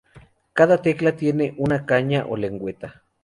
Cada tecla tiene una caña o lengüeta.